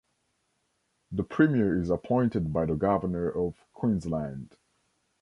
The Premier is appointed by the Governor of Queensland.